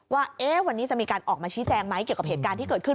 ว่าวันนี้จะมีการออกมาชี้แจงไหมเกี่ยวกับเหตุการณ์ที่เกิดขึ้น